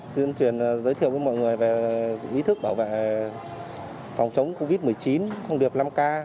chuyên truyền giới thiệu với mọi người về ý thức bảo vệ phòng chống covid một mươi chín công việc năm k